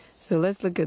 そうですね。